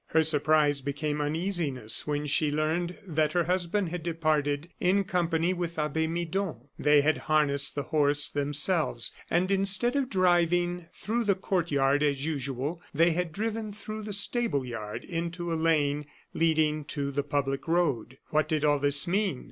Her surprise became uneasiness when she learned that her husband had departed in company with Abbe Midon. They had harnessed the horse themselves, and instead of driving through the court yard as usual, they had driven through the stable yard into a lane leading to the public road. What did all this mean?